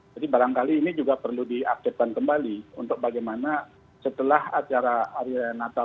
jadi barangkali ini juga perlu diaktifkan kembali untuk bagaimana setelah acara natal dan tahun baru